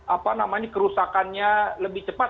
apa namanya kerusakannya lebih cepat